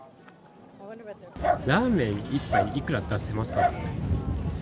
ラーメン１杯、いくら出せますか？